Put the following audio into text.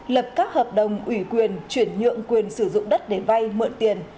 lập các hợp đồng ủy quyền chuyển nhượng quyền sử dụng đất để vay mượn tiền